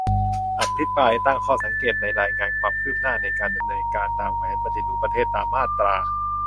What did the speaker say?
อภิปรายตั้งข้อสังเกต ในรายงานความคืบหน้าในการดำเนินการตามแผนปฏิรูปประเทศตามมาตรา